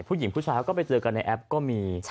ผู้หญิงผู้ชายก็ไปเจอกันในแอปก็มี